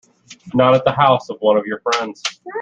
Not at the house of one of your friends?